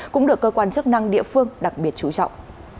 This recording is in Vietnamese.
cũng được cơ quan chức năng địa phương đặc biệt chú trọng